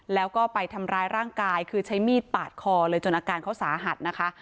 แล้วก็ไปทำร้ายร่างกายคือใช้มีดปาดคอเลยจนอาการเขาสาหัสนะคะ